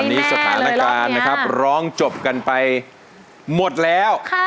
วันนี้สถานการณ์นะครับร้องจบกันไปหมดแล้ว